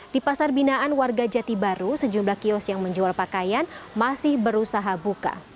di pasar binaan warga jati baru sejumlah kios yang menjual pakaian masih berusaha buka